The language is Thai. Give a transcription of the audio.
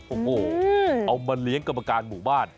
โอ้โหเอามาเลี้ยงกรรมการหมู่บ้าน